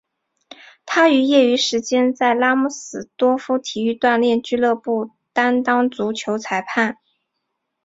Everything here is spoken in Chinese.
他于业余时间在拉姆斯多夫体育锻炼俱乐部担当足球裁判。